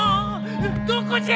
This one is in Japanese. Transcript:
どこじゃ！